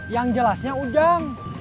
yang jelasnya ujang